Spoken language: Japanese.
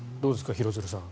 廣津留さん。